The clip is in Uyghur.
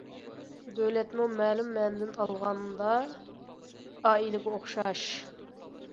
دۆلەتمۇ مەلۇم مەنىدىن ئالغاندا ئائىلىگە ئوخشاش.